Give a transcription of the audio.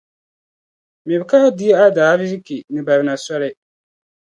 Miri ka a di a daarzichi ni barina soli.